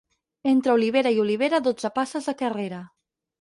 Entre olivera i olivera, dotze passes de carrera.